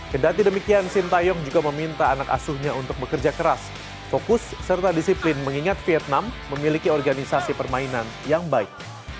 kedati demikian sintayong juga meminta anak asuhnya untuk bekerja keras fokus serta disiplin mengingat vietnam memiliki organisasi permainan yang baik